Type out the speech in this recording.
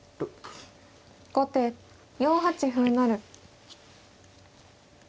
後手４八歩成。